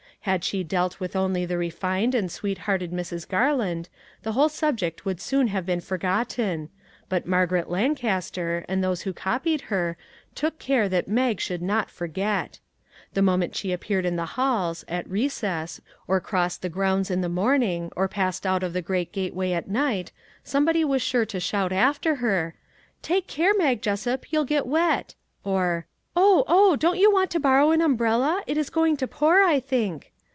Had she dealt with only the refined and sweet hearted Mrs. Garland, the whole subject would soon have been forgotten, but Margaret Lancaster and those who copied her took care that Mag should not forget. The moment she appeared in the halls, at recess, or crossed the grounds in the morning, or passed out of the great gateway at night, somebody was sure to shout after her: " Take care, Mag Jessup, you'll get wet !" or, " Oh, oh ! don't you want to borrow an umbrella ? It is going to pour, I think